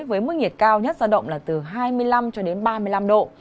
với mức nhiệt cao nhất sao động là từ hai mươi năm đến ba mươi năm độ